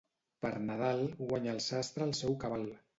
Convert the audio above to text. Per Nadal, guanya el sastre el seu cabal.